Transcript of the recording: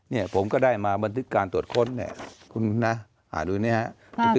เนี่ยผมก็ได้มาบันทึกการตรวจค้นเนี่ยคุณนะดูนี่ฮะ